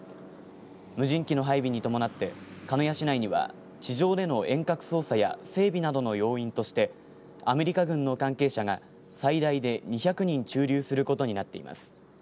無人機の配備に伴って鹿屋市内には地上での遠隔操作や整備などの要員としてアメリカ軍の関係者が最大で２００人駐留することになっています。